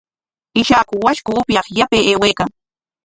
Ishaku washku upyaq yapay aywaykan.